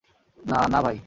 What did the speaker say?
না, না ভাই।